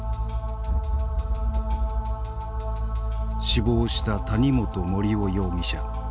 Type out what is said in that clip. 死亡した谷本盛雄容疑者。